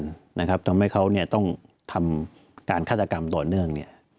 ทำให้เขาต้องทำการฆาตกรรมต่อเนื่อง